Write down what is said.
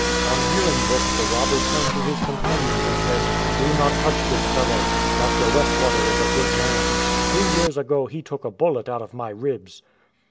On hearing this the robber turned to his companions and said, "Do not touch this fellow. Dr. Westwater is a good man. Two years ago he took a bullet out of my ribs."